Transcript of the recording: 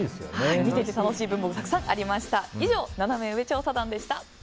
見てて楽しい文房具がたくさんありました。